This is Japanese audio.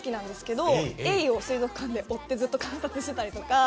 エイを水族館で追ってずっと観察してたりとか。